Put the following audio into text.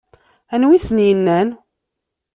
Anwa ay asen-yennan?